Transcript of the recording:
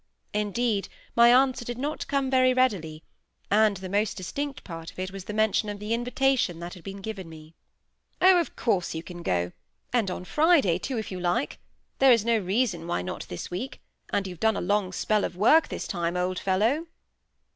Indeed, my answer did not come very readily; and the most distinct part of it was the mention of the invitation that had been given me. "Oh, of course you can go—and on Friday, too, if you like; there is no reason why not this week; and you've done a long spell of work this time, old fellow."